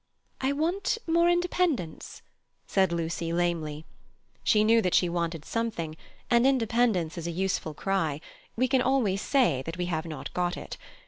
"I want more independence," said Lucy lamely; she knew that she wanted something, and independence is a useful cry; we can always say that we have not got it.